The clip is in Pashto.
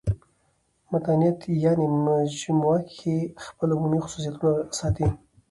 متانت یعني مجموع کښي خپل عمومي خصوصیتونه ساتي.